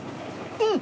うん。